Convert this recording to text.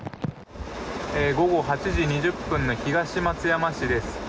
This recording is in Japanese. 午後８時２０分の東松山市です。